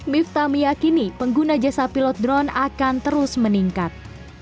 mifta meyakini pengguna jasa pilot drone akan terus meningkat